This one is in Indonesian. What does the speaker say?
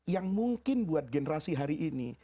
yang mungkin buat generasi hari ini